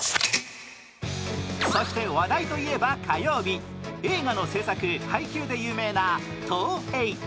そして話題といえば火曜日、映画の製作・配給で有名な東映。